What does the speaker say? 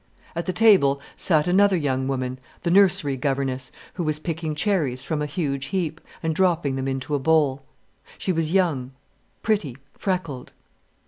At the table sat another young woman, the nursery governess, who was picking cherries from a huge heap, and dropping them into a bowl. She was young, pretty, freckled.